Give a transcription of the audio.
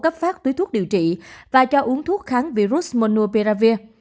cấp phát túi thuốc điều trị và cho uống thuốc kháng virus monopiravir